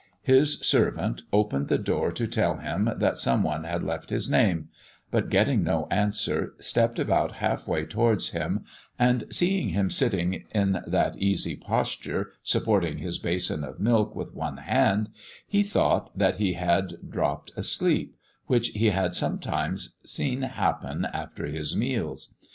His servant opened the door to tell him that some one had left his name; but getting no answer, stepped about half way towards him, and, seeing him sitting in that easy posture, supporting his basin of milk with one hand, he thought that he had dropped asleep, which he had sometimes seen happen after his meals.